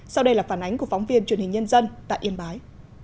sau đây là phản ánh của phóng viên truyền hình nhân dân tại yên bái